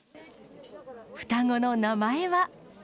双子の名前は。